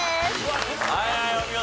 はいはいお見事。